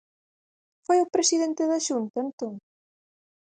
¿Foi o presidente da Xunta, entón?